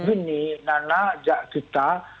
ini nana ajak kita